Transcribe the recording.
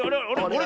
あれ？